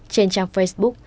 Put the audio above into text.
trên trang facebook